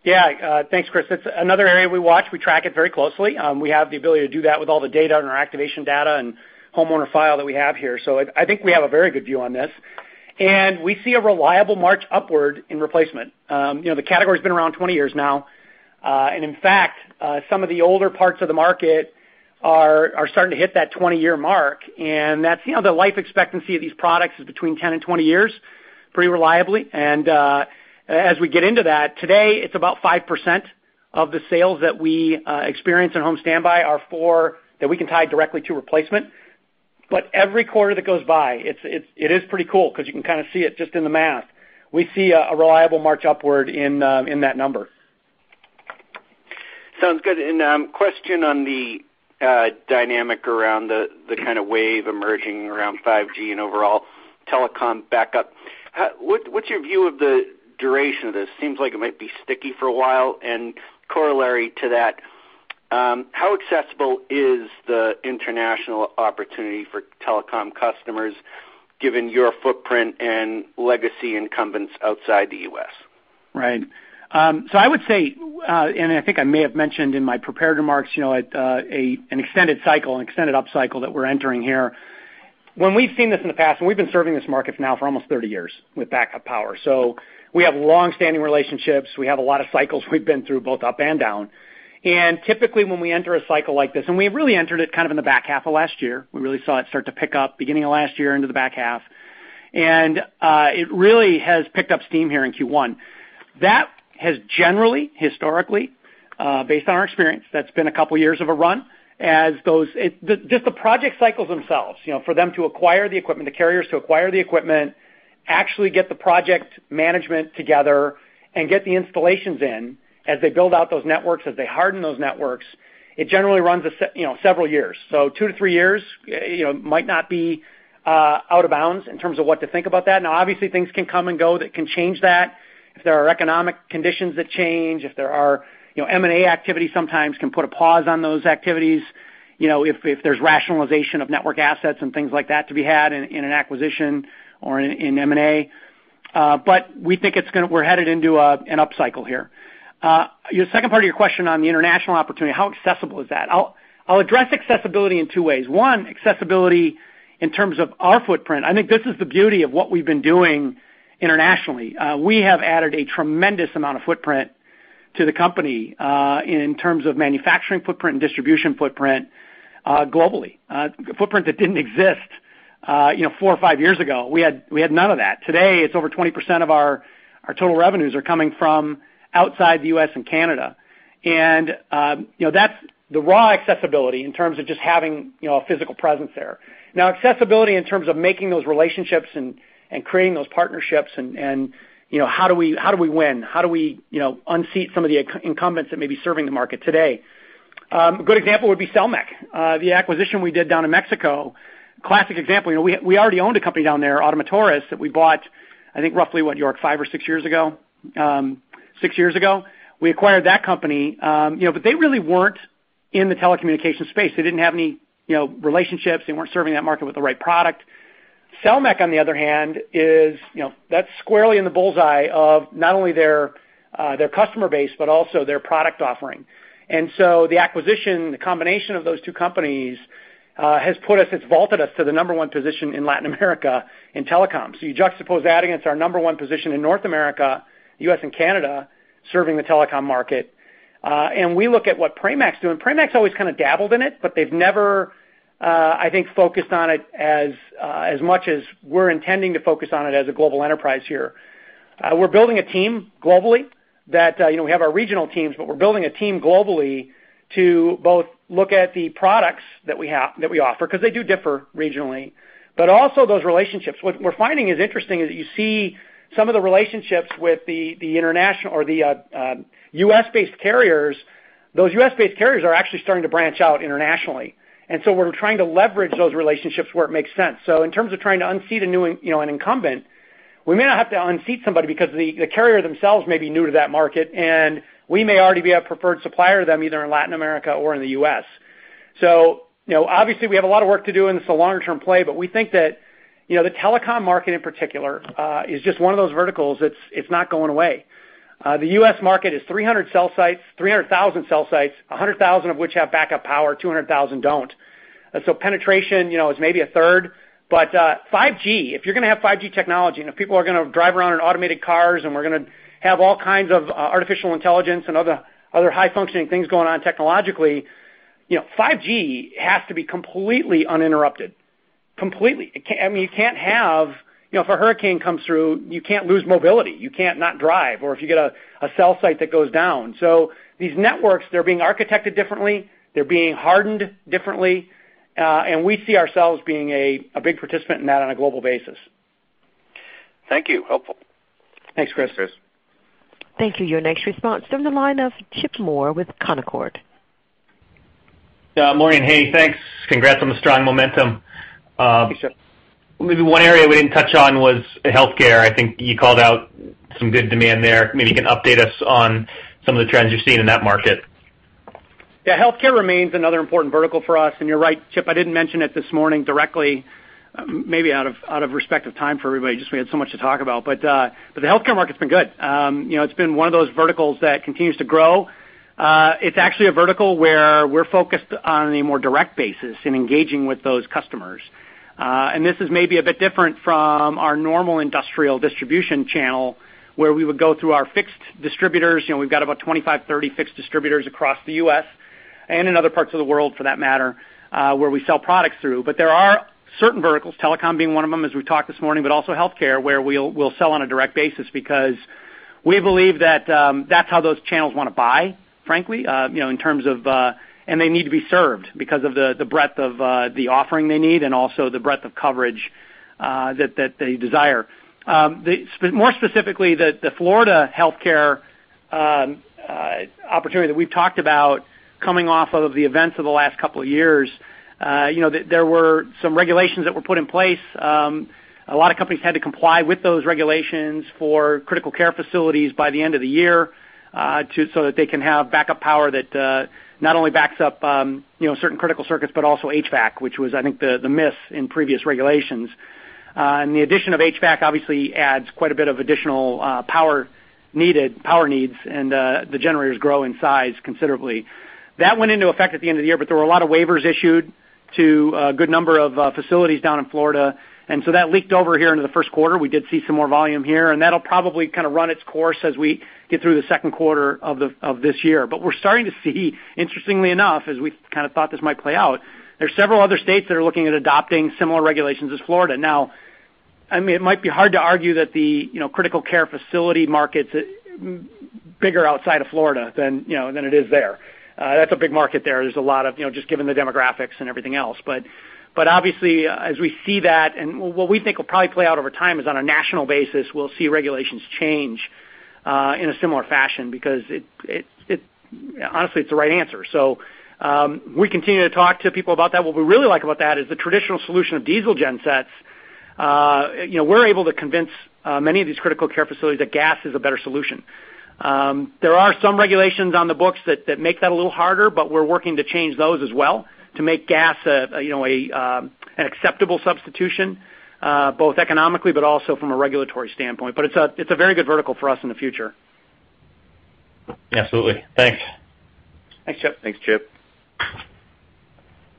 Yeah. Thanks, Chris. That's another area we watch. We track it very closely. We have the ability to do that with all the data and our activation data and homeowner file that we have here. I think we have a very good view on this. We see a reliable march upward in replacement. The category's been around 20 years now. In fact, some of the older parts of the market are starting to hit that 20-year mark, and the life expectancy of these products is between 10 and 20 years, pretty reliably. As we get into that, today, it's about 5% of the sales that we experience in home standby are for that we can tie directly to replacement. Every quarter that goes by, it is pretty cool because you can kind of see it just in the math. We see a reliable march upward in that number. Sounds good. Question on the dynamic around the kind of wave emerging around 5G and overall telecom backup. What's your view of the duration of this? Seems like it might be sticky for a while. Corollary to that, how accessible is the international opportunity for telecom customers given your footprint and legacy incumbents outside the U.S.? Right. I would say, I think I may have mentioned in my prepared remarks, an extended cycle, an extended upcycle that we're entering here. When we've seen this in the past, we've been serving this market now for almost 30 years with backup power. We have longstanding relationships. We have a lot of cycles we've been through, both up and down. Typically, when we enter a cycle like this, we have really entered it kind of in the back half of last year, we really saw it start to pick up beginning of last year into the back half. It really has picked up steam here in Q1. That has generally, historically, based on our experience, that's been a couple years of a run as the project cycles themselves, for them to acquire the equipment, the carriers to acquire the equipment, actually get the project management together and get the installations in as they build out those networks, as they harden those networks, it generally runs several years. Two to three years might not be out of bounds in terms of what to think about that. Obviously, things can come and go that can change that. If there are economic conditions that change, if there are M&A activity, sometimes can put a pause on those activities, if there's rationalization of network assets and things like that to be had in an acquisition or in M&A. We think we're headed into an upcycle here. Your second part of your question on the international opportunity, how accessible is that? I'll address accessibility in two ways. One, accessibility in terms of our footprint. I think this is the beauty of what we've been doing internationally. We have added a tremendous amount of footprint to the company, in terms of manufacturing footprint and distribution footprint globally. A footprint that didn't exist four or five years ago. We had none of that. Today, it's over 20% of our total revenues are coming from outside the U.S. and Canada. That's the raw accessibility in terms of just having a physical presence there. Accessibility in terms of making those relationships and creating those partnerships and how do we win? How do we unseat some of the incumbents that may be serving the market today? A good example would be Selmec, the acquisition we did down in Mexico. Classic example, we already owned a company down there, Ottomotores, that we bought, I think, roughly, what York, five or six years ago? Six years ago. We acquired that company, but they really weren't in the telecommunications space. They didn't have any relationships. They weren't serving that market with the right product. Selmec, on the other hand, that's squarely in the bullseye of not only their customer base, but also their product offering. The acquisition, the combination of those two companies, has vaulted us to the number one position in Latin America in telecom. You juxtapose that against our number 1 position in North America, U.S. and Canada, serving the telecom market. We look at what Pramac's doing. Pramac's always kind of dabbled in it, but they've never, I think, focused on it as much as we're intending to focus on it as a global enterprise here. We're building a team globally. We have our regional teams, but we're building a team globally to both look at the products that we offer, because they do differ regionally, but also those relationships. What we're finding is interesting is that you see some of the relationships with the U.S.-based carriers. Those U.S.-based carriers are actually starting to branch out internationally, we're trying to leverage those relationships where it makes sense. In terms of trying to unseat an incumbent, we may not have to unseat somebody because the carrier themselves may be new to that market, and we may already be a preferred supplier to them, either in Latin America or in the U.S. Obviously, we have a lot of work to do, and this is a longer-term play, but we think that the telecom market, in particular, is just one of those verticals. It's not going away. The U.S. market is 300,000 cell sites, 100,000 of which have backup power, 200,000 don't. Penetration is maybe a third, but 5G, if you're going to have 5G technology and if people are going to drive around in automated cars and we're going to have all kinds of artificial intelligence and other high-functioning things going on technologically, 5G has to be completely uninterrupted. Completely. If a hurricane comes through, you can't lose mobility. You can't not drive, or if you get a cell site that goes down. These networks, they're being architected differently, they're being hardened differently, and we see ourselves being a big participant in that on a global basis. Thank you. Helpful. Thanks, Chris. Thanks, Chris. Thank you. Your next response from the line of Chip Moore with Canaccord. Morning. Hey, thanks. Congrats on the strong momentum. Appreciate it. Maybe one area we didn't touch on was healthcare. I think you called out some good demand there. Maybe you can update us on some of the trends you're seeing in that market. Yeah. Healthcare remains another important vertical for us. You're right, Chip, I didn't mention it this morning directly, maybe out of respect of time for everybody, just we had so much to talk about. The healthcare market's been good. It's been one of those verticals that continues to grow. It's actually a vertical where we're focused on a more direct basis in engaging with those customers. This is maybe a bit different from our normal industrial distribution channel, where we would go through our fixed distributors. We've got about 25, 30 fixed distributors across the U.S. and in other parts of the world, for that matter, where we sell products through. There are certain verticals, telecom being one of them, as we talked this morning, but also healthcare, where we'll sell on a direct basis because we believe that's how those channels want to buy, frankly, and they need to be served because of the breadth of the offering they need and also the breadth of coverage that they desire. More specifically, the Florida healthcare opportunity that we've talked about coming off of the events of the last couple of years, there were some regulations that were put in place. A lot of companies had to comply with those regulations for critical care facilities by the end of the year, so that they can have backup power that not only backs up certain critical circuits, but also HVAC, which was, I think, the miss in previous regulations. The addition of HVAC obviously adds quite a bit of additional power needs, and the generators grow in size considerably. That went into effect at the end of the year, but there were a lot of waivers issued to a good number of facilities down in Florida, so that leaked over here into the first quarter. We did see some more volume here, and that'll probably kind of run its course as we get through the second quarter of this year. We're starting to see, interestingly enough, as we kind of thought this might play out, there's several other states that are looking at adopting similar regulations as Florida. Now, it might be hard to argue that the critical care facility market's bigger outside of Florida than it is there. That's a big market there. Just given the demographics and everything else. Obviously, as we see that, and what we think will probably play out over time is on a national basis, we'll see regulations change in a similar fashion because, honestly, it's the right answer. We continue to talk to people about that. What we really like about that is the traditional solution of diesel gen sets. We're able to convince many of these critical care facilities that gas is a better solution. There are some regulations on the books that make that a little harder, we're working to change those as well to make gas an acceptable substitution, both economically but also from a regulatory standpoint. It's a very good vertical for us in the future. Absolutely. Thanks. Thanks, Chip. Thanks, Chip.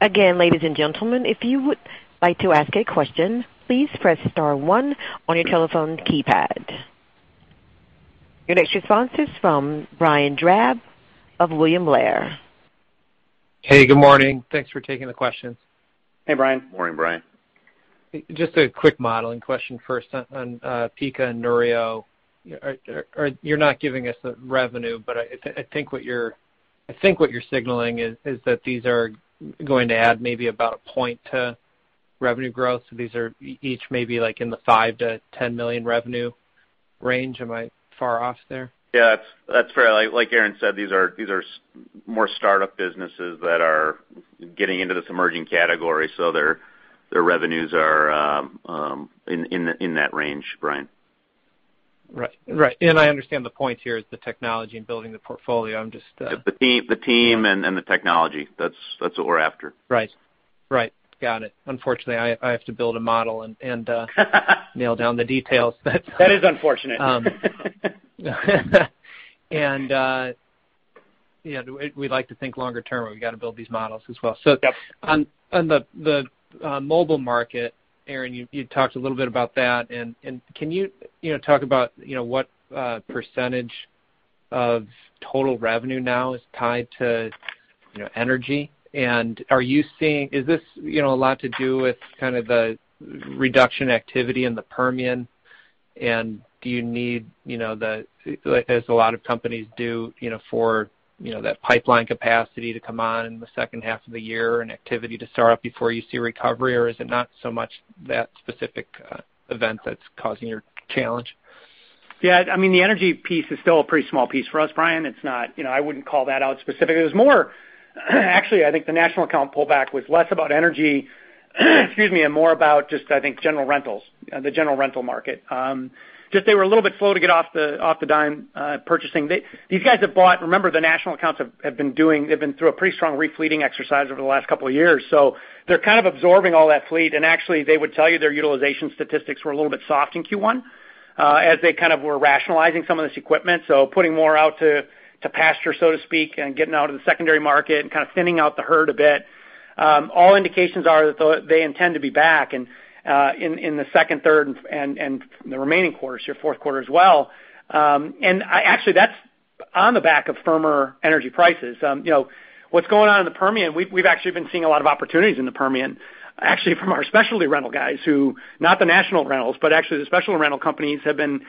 Again, ladies and gentlemen, if you would like to ask a question, please press star one on your telephone keypad. Your next response is from Brian Drab of William Blair. Hey, good morning. Thanks for taking the questions. Hey, Brian. Morning, Brian. Just a quick modeling question first on Pika and Neurio. I think what you're signaling is that these are going to add maybe about a point to revenue growth. These are each maybe like in the $5 million-$10 million revenue range. Am I far off there? Yeah, that's fair. Like Aaron said, these are more startup businesses that are getting into this emerging category. Their revenues are in that range, Brian. Right. I understand the point here is the technology and building the portfolio. The team and the technology. That's what we're after. Right. Got it. Unfortunately, I have to build a model, nail down the details. That is unfortunate. We like to think longer term, but we've got to build these models as well. On the mobile market, Aaron, you talked a little bit about that. Can you talk about what % of total revenue now is tied to energy, and is this a lot to do with kind of the reduction activity in the Permian? Do you need the, as a lot of companies do, for that pipeline capacity to come on in the second half of the year and activity to start up before you see recovery, or is it not so much that specific event that's causing your challenge? Yeah, the energy piece is still a pretty small piece for us, Brian. I wouldn't call that out specifically. It was more, actually, I think the national account pullback was less about energy, excuse me, and more about just, I think, general rentals, the general rental market. Just, they were a little bit slow to get off the dime purchasing. These guys have bought, remember, the national accounts have been through a pretty strong refleeting exercise over the last couple of years. They're kind of absorbing all that fleet, and actually, they would tell you their utilization statistics were a little bit soft in Q1, as they kind of were rationalizing some of this equipment. Putting more out to pasture, so to speak, and getting out of the secondary market and kind of thinning out the herd a bit. All indications are that they intend to be back in the second, third, and the remaining quarters, your fourth quarter as well. Actually, that is on the back of firmer energy prices. What is going on in the Permian, we have actually been seeing a lot of opportunities in the Permian, actually from our specialty rental guys who, not the national rentals, but actually the special rental companies, we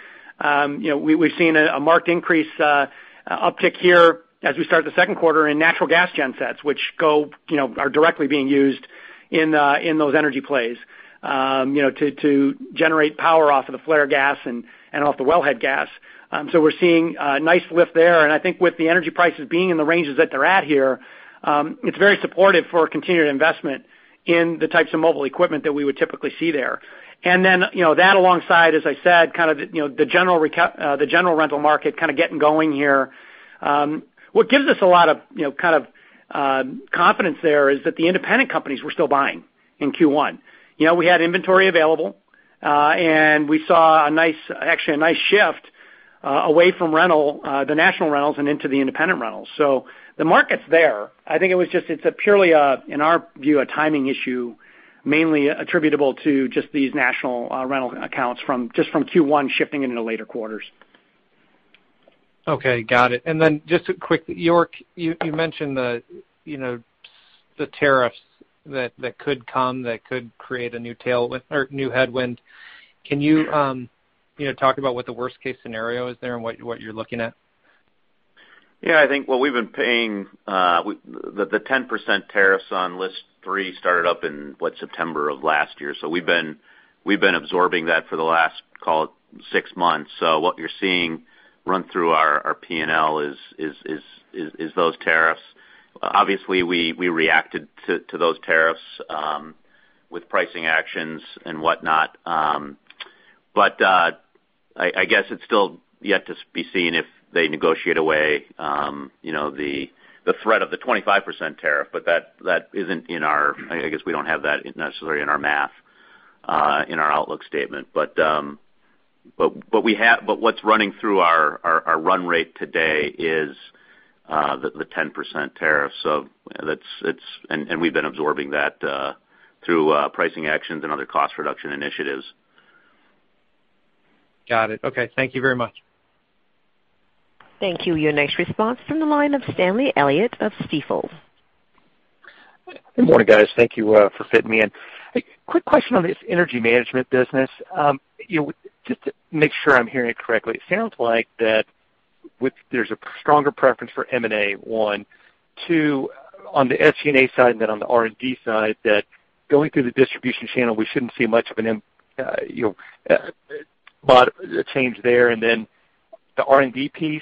have seen a marked increase uptick here as we start the second quarter in natural gas gen sets, which are directly being used in those energy plays, to generate power off of the flare gas and off the wellhead gas. We are seeing a nice lift there, and I think with the energy prices being in the ranges that they are at here, it is very supportive for continued investment in the types of mobile equipment that we would typically see there. That alongside, as I said, kind of the general rental market kind of getting going here. What gives us a lot of confidence there is that the independent companies were still buying in Q1. We had inventory available, and we saw actually a nice shift away from rental, the national rentals, and into the independent rentals. The market is there. I think it is purely, in our view, a timing issue, mainly attributable to these national rental accounts from Q1 shifting into later quarters. Okay. Got it. Just a quick, York, you mentioned the tariffs that could come, that could create a new headwind. Can you talk about what the worst case scenario is there and what you are looking at? I think, well, we have been paying the 10% tariffs on list three started up in, what, September of last year. We have been absorbing that for the last, call it, six months. What you are seeing run through our P&L is those tariffs. Obviously, we reacted to those tariffs with pricing actions and whatnot. I guess it is still yet to be seen if they negotiate away the threat of the 25% tariff, I guess we do not have that necessarily in our math, in our outlook statement. What is running through our run rate today is the 10% tariff. We have been absorbing that through pricing actions and other cost reduction initiatives. Got it. Okay. Thank you very much. Thank you. Your next response from the line of Stanley Elliott of Stifel. Good morning, guys. Thank you for fitting me in. A quick question on this energy management business. Just to make sure I'm hearing it correctly, it sounds like that there's a stronger preference for M&A, one. Two, on the SG&A side and then on the R&D side, that going through the distribution channel, we shouldn't see much of a change there, and then the R&D piece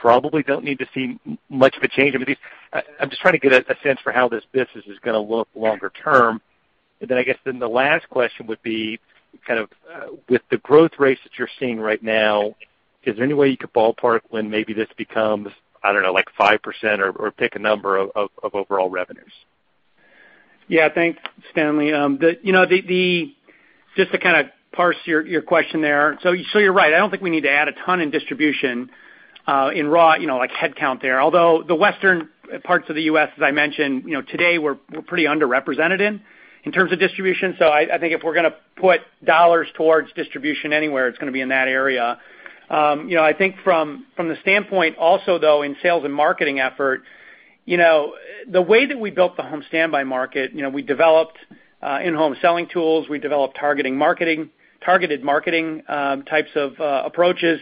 probably don't need to see much of a change. I'm just trying to get a sense for how this business is going to look longer term. I guess then the last question would be, with the growth rates that you're seeing right now, is there any way you could ballpark when maybe this becomes, I don't know, like 5% or pick a number of overall revenues? Yeah. Thanks, Stanley. Just to kind of parse your question there. You're right, I don't think we need to add a ton in distribution in raw headcount there. Although the western parts of the U.S., as I mentioned, today, we're pretty underrepresented in terms of distribution. I think if we're going to put dollars towards distribution anywhere, it's going to be in that area. I think from the standpoint also, though, in sales and marketing effort, the way that we built the home standby market, we developed in-home selling tools, we developed targeted marketing types of approaches.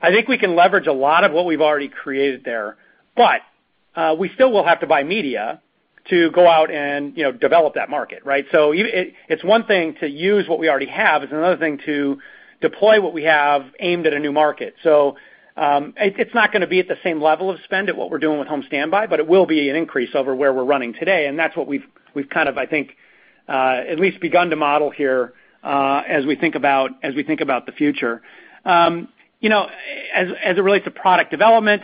I think we can leverage a lot of what we've already created there. We still will have to buy media to go out and develop that market, right? It's one thing to use what we already have. It's another thing to deploy what we have aimed at a new market. It's not going to be at the same level of spend at what we're doing with home standby, but it will be an increase over where we're running today, and that's what we've, I think, at least begun to model here as we think about the future. As it relates to product development,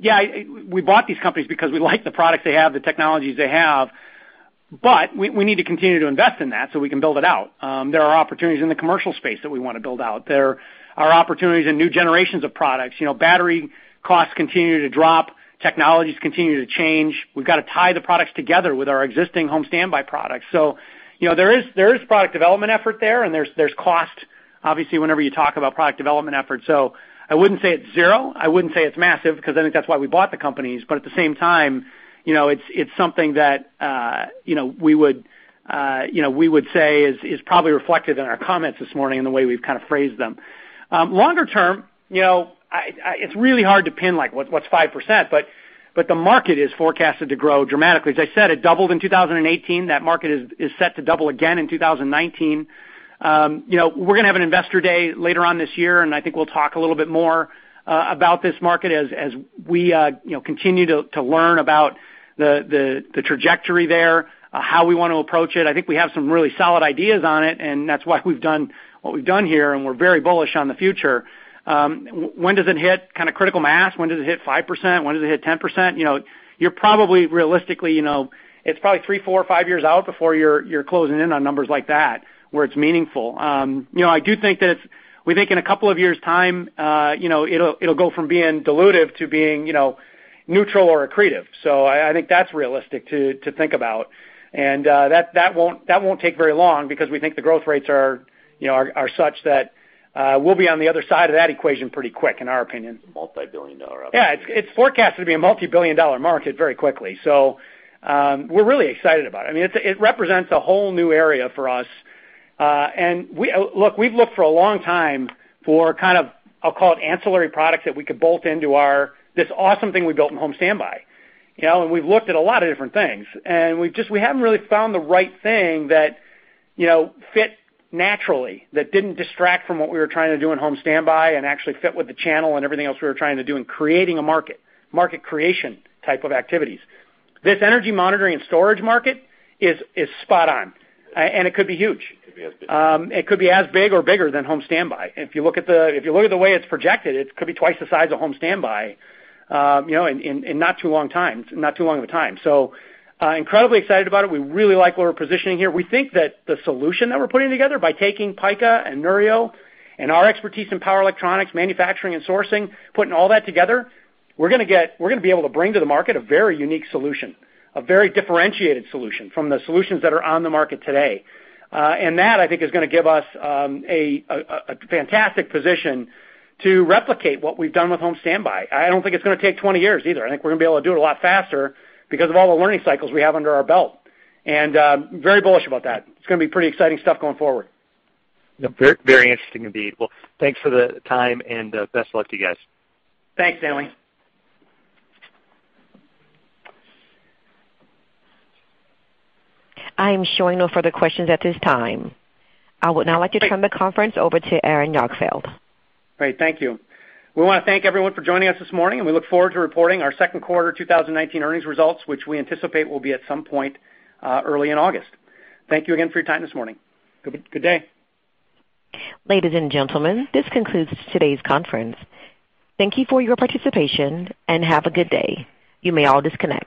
yeah, we bought these companies because we like the products they have, the technologies they have. We need to continue to invest in that so we can build it out. There are opportunities in the commercial space that we want to build out. There are opportunities in new generations of products. Battery costs continue to drop, technologies continue to change. We've got to tie the products together with our existing home standby products. There is product development effort there, and there's cost, obviously, whenever you talk about product development efforts. I wouldn't say it's zero, I wouldn't say it's massive, because I think that's why we bought the companies. At the same time, it's something that we would say is probably reflected in our comments this morning and the way we've kind of phrased them. Longer term, it's really hard to pin like what's 5%, but the market is forecasted to grow dramatically. As I said, it doubled in 2018. That market is set to double again in 2019. We're going to have an investor day later on this year, and I think we'll talk a little bit more about this market as we continue to learn about the trajectory there, how we want to approach it. I think we have some really solid ideas on it, and that's why we've done what we've done here, and we're very bullish on the future. When does it hit critical mass? When does it hit 5%? When does it hit 10%? Realistically, it's probably three, four, or five years out before you're closing in on numbers like that, where it's meaningful. I do think that we think in a couple of years' time, it'll go from being dilutive to being neutral or accretive. I think that's realistic to think about. That won't take very long because we think the growth rates are such that we'll be on the other side of that equation pretty quick, in our opinion. Multibillion-dollar opportunity. Yeah. It's forecasted to be a multibillion-dollar market very quickly. We're really excited about it. It represents a whole new area for us. Look, we've looked for a long time for kind of, I'll call it ancillary products, that we could bolt into this awesome thing we built in home standby. We've looked at a lot of different things, and we haven't really found the right thing that fit naturally, that didn't distract from what we were trying to do in home standby and actually fit with the channel and everything else we were trying to do in creating a market creation type of activities. This energy monitoring and storage market is spot on. It could be huge. It could be as big. It could be as big or bigger than home standby. If you look at the way it's projected, it could be twice the size of home standby in not too long of a time. Incredibly excited about it. We really like what we're positioning here. We think that the solution that we're putting together by taking Pika and Neurio and our expertise in power electronics, manufacturing, and sourcing, putting all that together, we're going to be able to bring to the market a very unique solution, a very differentiated solution from the solutions that are on the market today. That, I think, is going to give us a fantastic position to replicate what we've done with home standby. I don't think it's going to take 20 years either. I think we're going to be able to do it a lot faster because of all the learning cycles we have under our belt. Very bullish about that. It's going to be pretty exciting stuff going forward. Yeah, very interesting indeed. Well, thanks for the time, and best of luck to you guys. Thanks, Stanley. I am showing no further questions at this time. I would now like to turn the conference over to Aaron Jagdfeld. Great. Thank you. We want to thank everyone for joining us this morning. We look forward to reporting our second quarter 2019 earnings results, which we anticipate will be at some point early in August. Thank you again for your time this morning. Good day. Ladies and gentlemen, this concludes today's conference. Thank you for your participation, and have a good day. You may all disconnect.